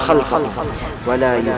aku berhak untuk menjelaskan semuanya